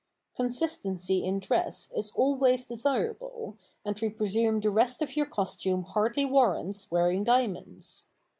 Consistency in dress is always desirable, and we presume the rest of your costume hardly warrants wearing diamonds.